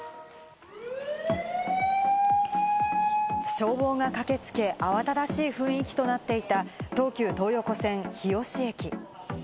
消防が駆けつけ、慌ただしい雰囲気となっていた東急東横線日吉駅。